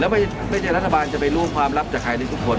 ไม่ใช่รัฐบาลจะไปรู้ความลับจากใครในทุกคน